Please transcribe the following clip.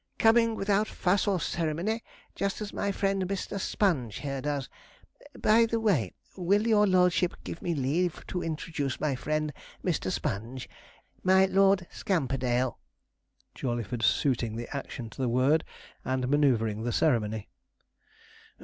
coming without fuss or ceremony, just as my friend Mr. Sponge, here, does. By the way, will your lordship give me leave to introduce my friend Mr. Sponge my Lord Scamperdale.' Jawleyford suiting the action to the word, and manoeuvring the ceremony.